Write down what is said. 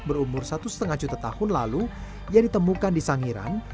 berumur satu lima juta tahun lalu yang ditemukan di sangiran